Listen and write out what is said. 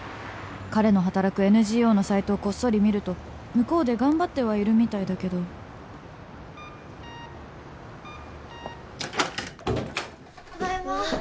彼の働くＮＧＯのサイトをこっそり見ると向こうで頑張ってはいるみたいだけどただいま